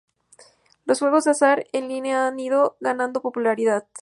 Los juegos de azar en línea han ido ganando popularidad.